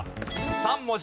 ３文字。